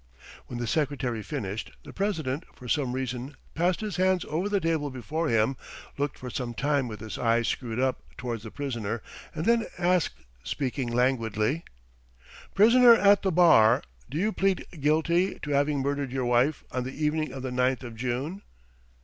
When the secretary finished, the president for some reason passed his hands over the table before him, looked for some time with his eyes screwed up towards the prisoner, and then asked, speaking languidly: "Prisoner at the bar, do you plead guilty to having murdered your wife on the evening of the ninth of June?"